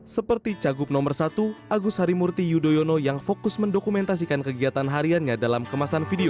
seperti cagup nomor satu agus harimurti yudhoyono yang fokus mendokumentasikan kegiatan hariannya dalam kemasan video